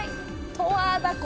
十和田湖？